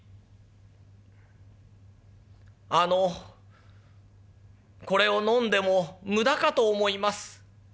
「あのこれをのんでも無駄かと思います」。